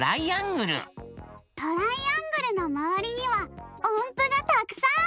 トライアングルのまわりにはおんぷがたくさん！